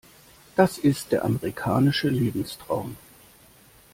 Das ist der amerikanische Lebenstraum.